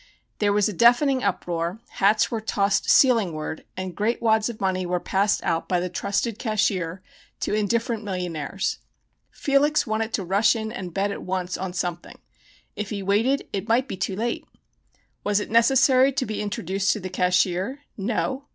There was a deafening uproar, hats were tossed ceilingward, and great wads of money were passed out by the "trusted cashier" to indifferent millionaires. Felix wanted to rush in and bet at once on something if he waited it might be too late. Was it necessary to be introduced to the cashier? No?